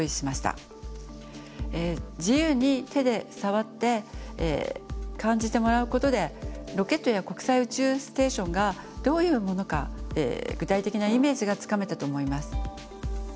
自由に手で触って感じてもらうことでロケットや国際宇宙ステーションがどういうものか具体的なイメージがつかめたと思います。